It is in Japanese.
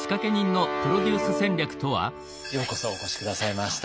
ようこそお越し下さいました。